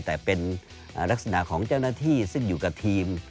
แต่เป็นลักษณะของเจ้าหน้าที่ซึ่งอยู่กับทีม